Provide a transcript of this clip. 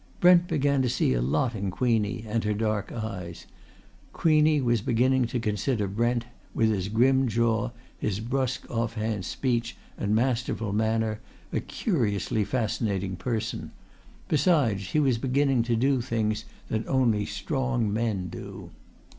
Brent began to see a lot in Queenie and her dark eyes; Queenie was beginning to consider Brent, with his grim jaw, his brusque, off hand speech, and masterful manner, a curiously fascinating person; besides, he was beginning to do things that only strong men do.